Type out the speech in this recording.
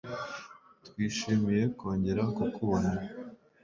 Twishimiye kongera kukubona